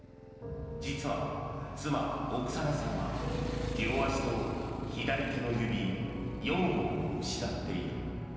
実は妻、オクサナさんは両足と左手の指４本を失っている。